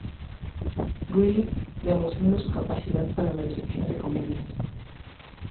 Griffith, demostrando su capacidad para la dirección de comedias.